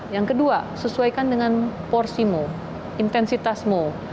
yang kedua sesuaikan dengan porsimu intensitasmu